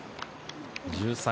−１３